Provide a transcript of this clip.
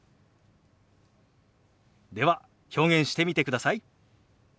では表現してみてください。